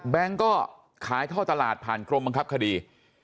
ก็ขายท่อตลาดผ่านกรมบังคับคดี